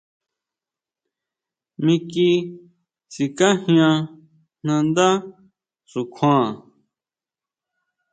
Miki sikajian nandá xukjuan.